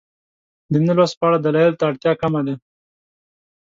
د نه لوست په اړه دلایلو ته اړتیا کمه ده.